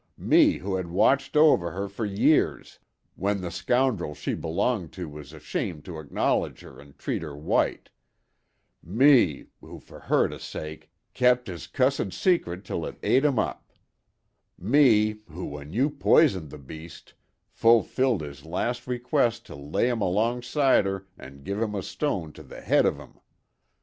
—me who had watched over 'er for years w'en the scoundrel she belonged to was ashamed to acknowledge 'er and treat 'er white!—me who for her sake kept 'is cussed secret till it ate 'im up!—me who w'en you poisoned the beast fulfilled 'is last request to lay 'im alongside 'er and give 'im a stone to the head of 'im!